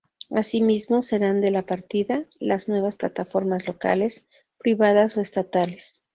Asimismo, serán de la partida, las nuevas Plataformas Locales, privadas o estatales.